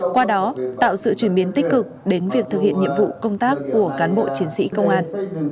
qua đó tạo sự chuyển biến tích cực đến việc thực hiện nhiệm vụ công tác của cán bộ chiến sĩ công an